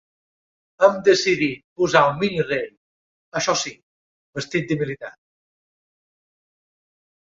Hem decidit posar un mini-rei, això sí, vestit de militar.